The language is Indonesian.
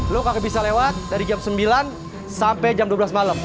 lo kakek bisa lewat dari jam sembilan sampai jam dua belas malam